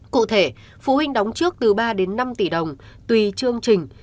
cụ thể phụ huynh đóng trước từ ba đến năm tỷ đồng tùy chương trình